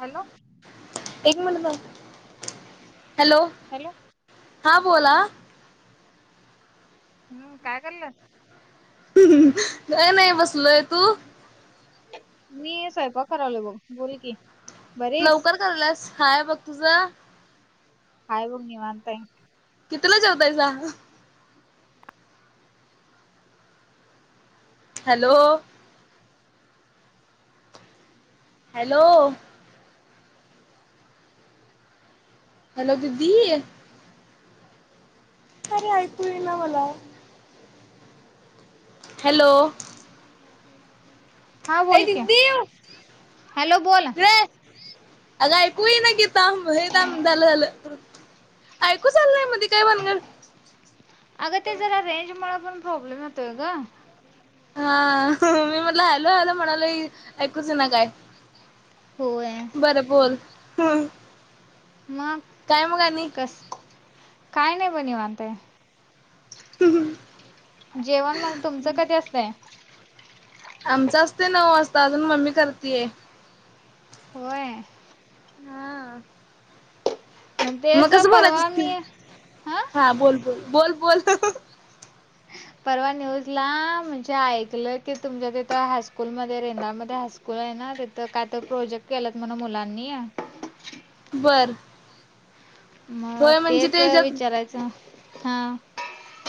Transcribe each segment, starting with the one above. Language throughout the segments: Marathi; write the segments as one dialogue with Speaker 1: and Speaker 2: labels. Speaker 1: हॅलो.
Speaker 2: एक मिनिट थांब, हॅलो.
Speaker 1: हॅलो.
Speaker 2: हा बोला.
Speaker 1: हा काय कराल्या?
Speaker 2: काय नाही बसलोय, तू?
Speaker 1: मी स्वयंपाक करालोय बघ, बोल की. बरी हाईस?
Speaker 2: लवकर कराल्यास हाय बघ तुझं.
Speaker 1: हाय बघ निवांत आहे.
Speaker 2: कितीला जेवतायसा? हॅलो. हॅलो. हॅलो दिदी. अरे ऐकू येईना मला. हॅलो.
Speaker 1: हा
Speaker 2: ये
Speaker 1: बोल की
Speaker 2: दिदी व
Speaker 1: हॅलो बोल
Speaker 2: इकडे ये. अग ऐकू येईना कि? थांब हे थांब झालं झालं. ऐकूच आलं नाही मधी काय भानगड?
Speaker 1: अगं ते जरा रेंजमुळं पण प्रॉब्लेम येतोय ग.
Speaker 2: हा मी म्हटलं हॅलो हॅलो म्हणालोय, ऐकूच येईना काय?
Speaker 1: होय.
Speaker 2: बरं बोल हम्म.
Speaker 1: मग कस? काय नाही बघ निवांत आहे.
Speaker 2: [unintelligible]
Speaker 1: जेवण मग तुमचं कधी असतंय?
Speaker 2: आमचं असतंय नऊ वाजता अजून मम्मी करतीये.
Speaker 1: होय.
Speaker 2: हा मग
Speaker 1: तेच
Speaker 2: कसं बोलायचं
Speaker 1: परवा
Speaker 2: असतंय?
Speaker 1: मी
Speaker 2: हा बोल बोल बोल बोल.
Speaker 1: परवा न्यूजला म्हणजे ऐकलं की तुमच्या तिथं हायस्कूलमध्ये रेंदाळमध्ये हायस्कूल स्कूल आहे ना तिथं काय तर प्रोजेक्ट केल्यात म्हण मुलांनी.
Speaker 2: बरं.
Speaker 1: मग तेच
Speaker 2: त्याच्यात
Speaker 1: विचारायचं? हा.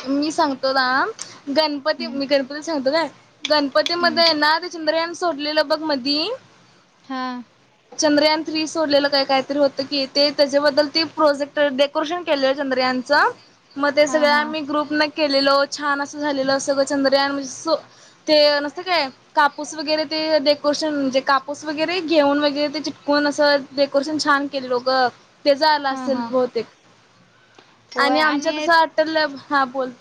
Speaker 2: मी सांगतो थांब. गणपती
Speaker 1: हं
Speaker 2: मी गणपती सांगतो काय,
Speaker 1: हं
Speaker 2: गणपतीमध्ये ना ते चंद्रयान सोडलेलं बघ मधी?
Speaker 1: हा.
Speaker 2: चंद्रयान थ्री सोडलेलं काय काहीतरी होतं की ते? त्याच्याबद्दल ते प्रोजेक्ट डे कोरेशन केलेलं चंद्रयानचं मग ते
Speaker 1: हां
Speaker 2: सगळं
Speaker 1: हां
Speaker 2: आम्ही ग्रुपनं केलेलो, छान असं झालेलं, सगळं चंद्रयान म्हणजे अस्स् ते नसतं काय कापूस वगैरे, ते डेकोरेशन म्हणजे कापूस वगैरे, घेऊन वगैरे, ते चिटकून असं डेकोरेशन छान केलेलो गं. तेजं आलं
Speaker 1: हां
Speaker 2: असेल
Speaker 1: हां
Speaker 2: बहुतेक आणि आमच्या तसं आट्टल हा, बोल.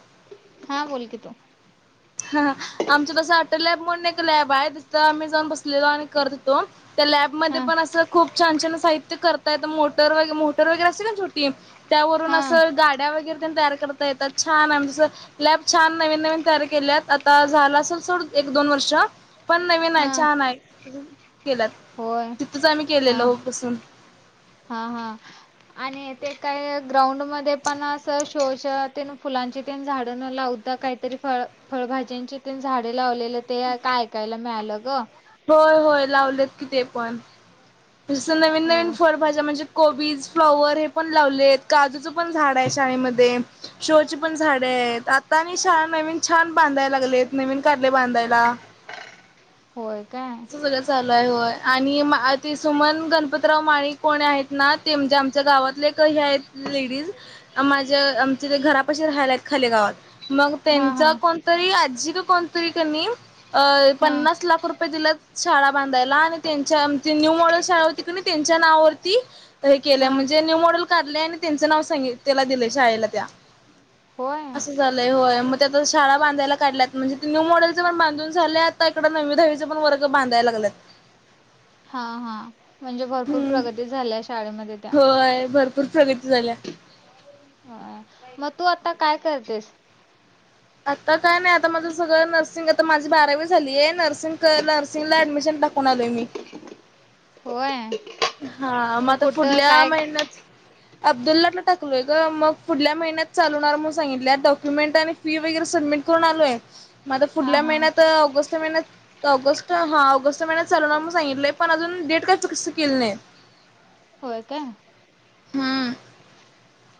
Speaker 1: हां बोल [unintelligible]
Speaker 2: हा आमचं तसं अटलॅब म्हणून एक लॅब आहे, तिथं आम्ही जाऊन बसलेलो आणि करत हुतो. त्या लॅबमध्येध्ये
Speaker 1: हां
Speaker 2: पण असं खूप छान- छान साहित्य करता येतं, मोटर वगै, मोटर वगैरे असते ना छो टी त्यावरून
Speaker 1: हां
Speaker 2: असं गाड्या वगैरे तेन तयार करता येतात, छान आहे म्हणजे असं लॅब छान नवीन -नवीन तयारी केल्यात, आता झालं असेल सोड एक -दोन वर्ष. पण नवीन आहे,
Speaker 1: हां
Speaker 2: छान आहे, केल्यात
Speaker 1: होय
Speaker 2: तिथंच आम्ही केलेलो हो बसून.
Speaker 1: हा, हा.. आणि ते काय ग्राउंड मध्ये पण असं शोच फुलांची तेन झाडं लाव का काहीतरी फळ फळभाज्यांची तेन झाडे लावलेले ते काय ऐकायला मिळालं ग.
Speaker 2: होय, होय, लावलेत कि ते पण. जसं नवीन -नवीन
Speaker 1: होय
Speaker 2: फळभाज्या कोबीज, फ्लॉवर हेपण लावलेत. काजूचं पण झाड आहे शाळेमध्ये. शो ची पण झाडे आहेत, आता आणि शाळा नवीन छान बांधाय लागलेत, नवीन काढलयं बांधायला.
Speaker 1: होय काय.
Speaker 2: अस सगळं चालू आहे होय आणि ते सुमन गणपतीराव माळी कोण आहेत? ना ते म्हणजे आमच्या गावातले एक हे आहेत लेडीज माझ्य आमच्या ते घरापाशी राहायला आहेत खाली गावात. मग
Speaker 1: हां
Speaker 2: त्यांचा
Speaker 1: हां
Speaker 2: कोणतरी आजी का कोणतरी कनी अ
Speaker 1: हां
Speaker 2: पन्नास लाख रुपये दिल्यात शाळा बांधायला आणि त्यांच्या म्हणजे न्यू मॉडेल शाळा होती कनई त्यांच्या नावावरती आता हे केल्या
Speaker 1: हां
Speaker 2: म्हणजे न्यू मॉडेल काढलेय आणि त्यांचं नाव सांगित तेला दिलंय शाळेला त्या.
Speaker 1: व्हयं.
Speaker 2: असं झालंय होय मग त्या शाळा बांधायला काढल्यात, म्हणजे ते न्यू मॉडेलचं पण बांधून झाल्यात आत्ता इकडं नववी- दहावीचे पण वर्ग बांधाय लागल्यात.
Speaker 1: हा, हा म्हणजे भरपूर प्रगती झाल्या शाळेमध्ये त्या.
Speaker 2: व्हयं भर भरपूर प्रगती झाल्या.
Speaker 1: होय मग तू आता काय करतेस?
Speaker 2: आता काय नाही, आता माझं सगळं नर्सिंग आता माझी बारावी झालीये, नर्सिंग नर्सिंगला ऍडमिशन टाक कून आलोय मी.
Speaker 1: व्हयं.
Speaker 2: हा,.. मग आता पुुढल्या महिन्यात अब्दुल्लाटला टाकलोय गं मग पुढल्या महिन्यात चालू होणार म्हणून सांगितल्यात डॉक्युमेंट आणि फी वगैरे सबमिट करून आलोय, मग आता
Speaker 1: हा
Speaker 2: पुुढल्या
Speaker 1: हा
Speaker 2: महिन्यात ऑगस्ट महिन्यात त ऑगस्ट हां ऑगस्ट महिन्यात चालू होणार म्हणून सांगितलंय, पण अजून डेट काय फिक्स केली नाही.
Speaker 1: होय, काय.
Speaker 2: हं..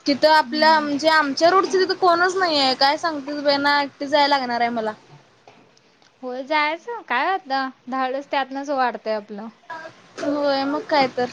Speaker 2: तिथं आपल्यि
Speaker 1: हम्म
Speaker 2: म्हणजे आम च्या रूटचं तिथं कोणच नाहीये, काय सांगतीस बाई ना एकटीच जायला लागणार आहे मला.
Speaker 1: होय जायाचं, काय आता धाडस त्यातनंच वाढतंय आपलं.
Speaker 2: होय, मग काय तर.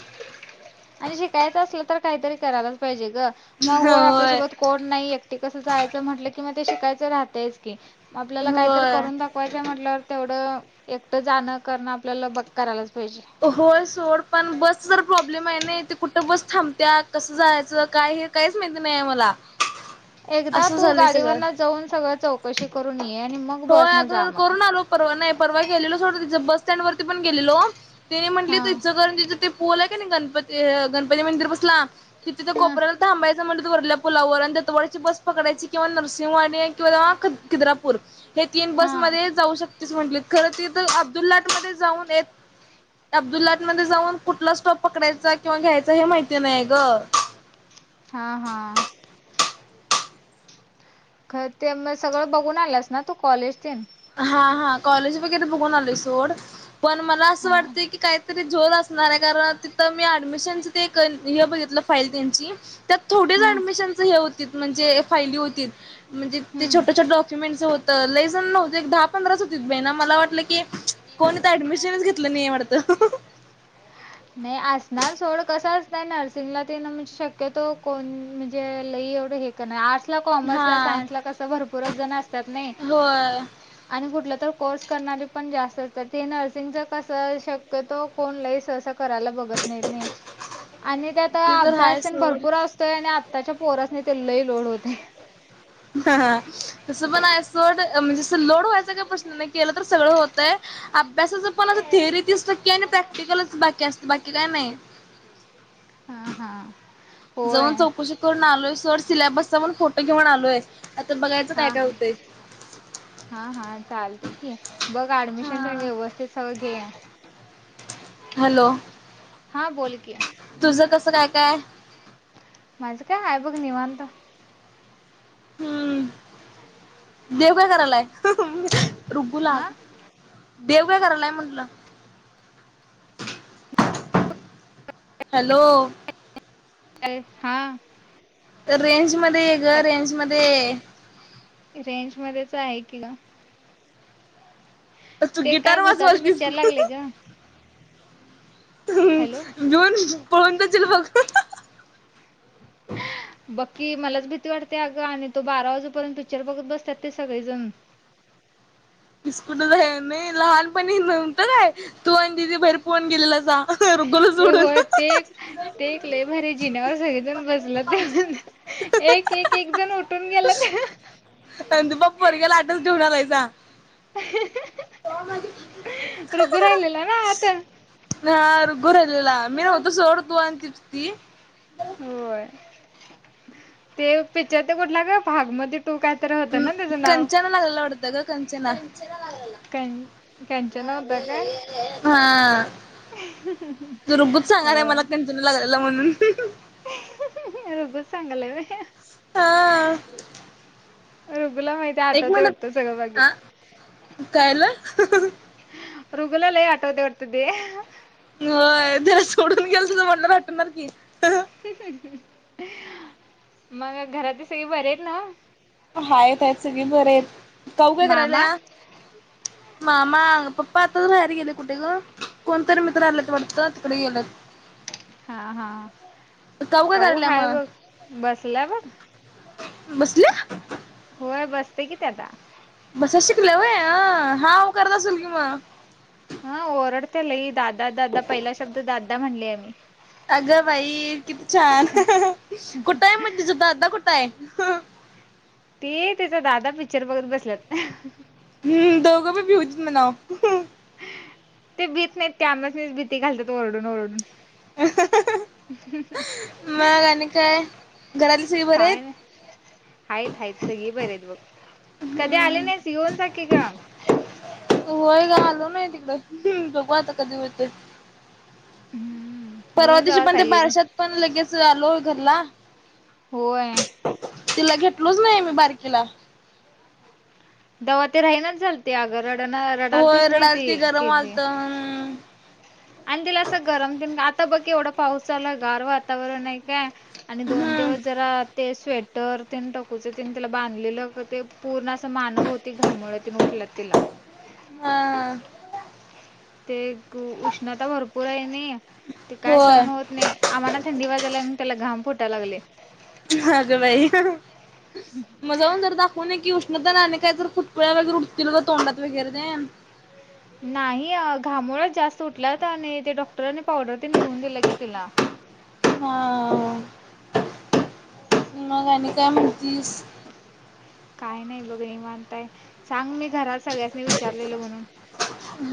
Speaker 1: आणि शिकायचं असलं तर, काहीतरी करायलाच पाहिजे ग, मग होय आपल्यासोबत कोण नाही. एकटी कसं जायचं म्हटलं की, मग ते शिकायचं रहातायच की, आपल्याला काय तर
Speaker 2: होय.
Speaker 1: करून दाखवाय च म्हटल्यावर, तेवढं एकटं जाणं करणं आपल्याला बघ करायलाच पाहिजे.
Speaker 2: होय! सोड पण बस ज प्रॉब्लेम आहे ना, ते कुठं बस थांबत्या, कसं जायचं काय हे? काहीच माहिती नाही मला!
Speaker 1: एकदा
Speaker 2: असं
Speaker 1: तू
Speaker 2: झालंय सगळं.
Speaker 1: गाडीवरन जाऊन सगळं चौकशी करून ये आणि मग
Speaker 2: होयं
Speaker 1: बसन जा
Speaker 2: अगं!
Speaker 1: मग.
Speaker 2: करून‌ आलो परवा नाही. परवा गेलेलो सोड ते बस स्टॅन्डवरती पण गेलेलो, ते
Speaker 1: हा
Speaker 2: म्हटलं इचलकरंजी पूल आहे की नाही, गणपती, गणपती मंदिर पसला तिथे
Speaker 1: हा
Speaker 2: कोपऱ्याला थांबायच म्हणल्या वरल्या पुलावर आणि दत्तवाड्याची बस पकडयची किंवा नर्सिंहवाडी किंवा खिद्रापुर हे तीन
Speaker 1: हा
Speaker 2: बसमध्ये जाऊ शकतेस म्हटली, खरं ते तर अब्दुललाट मध्ये जाऊन येत अब्दुल्लाट मध्ये जाऊन कुठला स्टॉप पकडायचा किंवा घ्यायचा हे माहिती नाहीय ग
Speaker 1: हा, हा! खरं! ते म सगळं बघून आलेस ना तू कॉलेज ते
Speaker 2: हा, हा, कॉलेज वगैरे बघून आलोय सोड पण मला असं
Speaker 1: हा
Speaker 2: वाटत की, काहीतरी झोल असणार आहे. कारण तिथं मी ऍडमिशन ते, हे बघितलं फाईल त्यांची त्यात थोडीच
Speaker 1: हा
Speaker 2: ऍडमिशनच हे होती. म्हणजे फायली होती. म्हणजे ते
Speaker 1: हम्म
Speaker 2: छोट्या छोट्या डॉकुमेंट होतं लय जन न्हवतीत एक दहा पंधराच होती बाई, मला वाटलं की, कोणी इथं ऍडमिशनच घेतलं नाही वाटत
Speaker 1: नाही असणार सोडं, कसं असतं नर्सिंगला तेण शक्यतो कोण म्हणजे लई एवढं हे नाही. आर्टसला, कॉमर्सला,
Speaker 2: हा
Speaker 1: सायन्सला कसं भरपूर जण असतात नाही.
Speaker 2: होय
Speaker 1: आणि कुठलं तर कोर्स करणारी पण जास्त असतात. ते नर्सिंगच कसं शक्यतो, कोण लई सहसा करायला बगत नाहीत नाही. आणि काय ते
Speaker 2: तर हाय
Speaker 1: अभ्यास तेन
Speaker 2: सोड
Speaker 1: भरपुर असत तोय आणि आताच्या पोरासनी ते लई लोड होते.
Speaker 2: [inaudible] तसं पण आहे सोड, म्हणजे लोड व्हायचा काय प्रश्न नाही, केला तर सगळं होतय अभ्यासाचं पण आता थेरी तीस टक्के आणि प्रॅक्टिकल च बाकी असतं, बाकी काय नाही.
Speaker 1: हा, हा!
Speaker 2: जाऊन चौकशी करून आलोय, सोड सिलाँबसचा पण फोटो घेऊन आलोय, आता बघायचं काय काय होतंय.
Speaker 1: हा चालतय की, बघ ऍडमिशन तेन
Speaker 2: हा
Speaker 1: व्यवस्थित सगळं घे
Speaker 2: हॅलो!
Speaker 1: हां बोल की,
Speaker 2: तुझं कसं काय, काय?
Speaker 1: माझं काय हाय बघ निवांत!
Speaker 2: हम्म
Speaker 1: [unintelligible]
Speaker 2: देव काय करायलाय रुबुला?
Speaker 1: हां
Speaker 2: देव काय करालाय म्हंटलं?
Speaker 1: [unintelligible]
Speaker 2: हॅलो!
Speaker 1: हा!
Speaker 2: रेंज मध्ये ये ग,
Speaker 1: हॅलो
Speaker 2: रेंज मध्ये ये!
Speaker 1: रेंज मध्येच आहे की ग,
Speaker 2: तू
Speaker 1: ते काय
Speaker 2: गिटार
Speaker 1: भूताचं
Speaker 2: वाजवालतीस!
Speaker 1: पिक्चर लागलय ग
Speaker 2: हम्!
Speaker 1: हॅलो
Speaker 2: भिऊन पळून जाशील बघ!
Speaker 1: बघ की मलाच भीती वाटते अगं आणि ते बारा वाजेपर्यंत पिक्चर बघत बसतात ते सगळेजण
Speaker 2: बिस्कुटच आहे नाही लहानपणी न्हवत काय तू आणि दिदी बाहेर पळुन गेलेला रुगोला
Speaker 1: ए
Speaker 2: सोडून
Speaker 1: होय ते ते एक लय भारी जिण्यावर सगळेजण बसल्यात्या एक एक एक जण उठून गेल्यात
Speaker 2: संदुबा पोरग्याला आतच ठेऊन आलायसा
Speaker 1: रुघू राहिलेला ना आत
Speaker 2: ह गुरवलेला मी होत सोड तू आन त्रिप्ती
Speaker 1: होय ते पिक्चर ते कुठला का भाग म तो कायतरी होतं ना तेचं नाव
Speaker 2: तो लागलेला वाटत ग खचना लागलेला
Speaker 1: कंचना होता काय
Speaker 2: हा तु रुबूच सांगणार आहे
Speaker 1: होय
Speaker 2: मला कणंतना लागलेला म्हणून
Speaker 1: रुबुज सागायेलाय होय
Speaker 2: हा एक मिनिट
Speaker 1: वाटतं सगळं
Speaker 2: ह
Speaker 1: बाकीच
Speaker 2: कायल
Speaker 1: रुगुलला लय आठवते वाटत ते
Speaker 2: होय त्या सोडून गेल त म्हणला तर आठवणार की
Speaker 1: मग घरातली सगळी बरी आहेत नव
Speaker 2: हायेत हाय सगळी बरी आहेत काऊ काय
Speaker 1: मामा
Speaker 2: करायल्या मामा पपा अताच बाहेर गेलेत कुठे ग कोणतरी मित्र आलेत वाटत तिकड गेलेत
Speaker 1: हां हां
Speaker 2: काय
Speaker 1: काऊ
Speaker 2: करायल्या
Speaker 1: हाय
Speaker 2: मग
Speaker 1: बग बसला बग
Speaker 2: बसल्या
Speaker 1: होय बसत्या की ते आता
Speaker 2: बसयला शिकल्या वय अं हाव करत असेल कि मग
Speaker 1: हा ओरडते लई दादा दादा पहिला शब्द दादा म्हणली आहे नी
Speaker 2: अगं बाई किती छान कुठं आहे म् तीज दादा कुठं आहे
Speaker 1: ती तिचा दादा पिक्चर बघत बसल्यात
Speaker 2: हम्म दोघो भी [inaudible] मनाव
Speaker 1: ते भीत नाहीत ते आम्हाच नीच भीती घालत्यात ओरडून ओरडून
Speaker 2: मग आणि काय घरातली सगळी बरी आहेत.
Speaker 1: हायत हायत सगळी बरी आहेत बघ कधी आली
Speaker 2: हम्म
Speaker 1: नाहीस येऊन जाकीे ग
Speaker 2: होय ग आलो नई तिकड बघू आता कधी होतय
Speaker 1: हम्म
Speaker 2: परवा
Speaker 1: येऊन
Speaker 2: दिवशी
Speaker 1: जावा
Speaker 2: पण ते
Speaker 1: सगळेजण
Speaker 2: बरश्यात पण लगेच आलो घरला
Speaker 1: होय
Speaker 2: तिला घेतलोच नाही आ मी बारकीेला
Speaker 1: दवा ते राहीनाच झालती आगं रडण
Speaker 2: होय
Speaker 1: रडालतेच नाई ती
Speaker 2: रडालती गरम
Speaker 1: कती
Speaker 2: आलत
Speaker 1: आणि तिला असं गरम देन आता बघ केवढा पाऊस झाला गार वातावरण आहे काय आणि दोन
Speaker 2: हम्म
Speaker 1: दिवस जरा ते स्वेट तर तेन टकूच तेन तिला बांधलेलं ते पूर्ण असं मान भवती घामवल्या ऊठल्या तेन तिला
Speaker 2: हा ह
Speaker 1: ते उष्णता भरपूर आहे नई ते काय
Speaker 2: होय
Speaker 1: सहण होत नाही आम्हाला थंडी वाजयलाय आणि त्याला घाम फुटायला लागले
Speaker 2: अग बाई मग जाऊन जरा दाखवून ये की उष्ण नतर आणि काय तर फुटकुळ्या वगैरे उठतील ग तोंडात वगैरे तेन
Speaker 1: नाही घामोळच जास्त उठलात आणि ते डॉक्टरनी पावडर ते लिहून दिलं की तिला
Speaker 2: हा मग आणि काय म्हणतीस?
Speaker 1: काय नाही बघ निवांत आहे सांग मी घरात सगळ्यासनी विचारलेल म्हणून?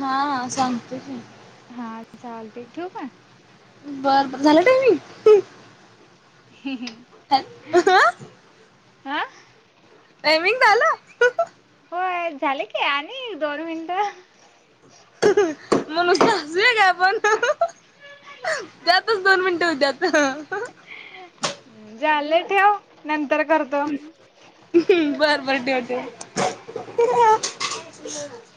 Speaker 2: हा हा सांगतो की.
Speaker 1: हा चालतंय ठेवू काय.
Speaker 2: बरं बर झालं टाइमिंग?
Speaker 1: हम्म हम्म
Speaker 2: [inaudible]
Speaker 1: हा
Speaker 2: टाइमिंग झालं ह् अ
Speaker 1: होय झाले की आणि एक दोन मिनटं. [unintelligible]
Speaker 2: नूसतं हसूयातं काय आपण ह् ह् त्यातंच दोन मिनट होत्यात.
Speaker 1: झाले ठेव नंतर करत
Speaker 2: हम्म बरं बरं ठेव ठेव.
Speaker 1: ए पिल्लू.